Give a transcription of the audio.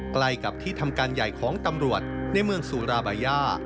ใกล้กับที่ทำการใหญ่ของตำรวจในเมืองสุราบาย่า